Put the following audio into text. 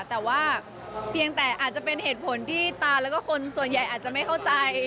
แต่ว่าเพียงแต่อาจจะเป็นเหตุผลที่ตาแล้วก็คนส่วนใหญ่อาจจะไม่เข้าใจ